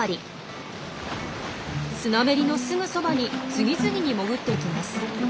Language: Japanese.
スナメリのすぐそばに次々に潜っていきます。